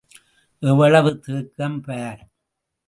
எவ்வளவு தேக்கம் பார்!